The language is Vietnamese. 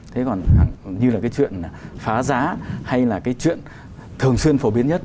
thế còn như là cái chuyện phá giá hay là cái chuyện thường xuyên phổ biến nhất